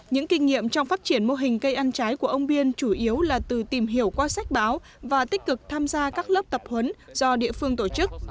những kinh nghiệm trong phát triển mô hình cây ăn trái của ông biên chủ yếu là từ tìm hiểu qua sách báo và tích cực tham gia các lớp tập huấn do địa phương tổ chức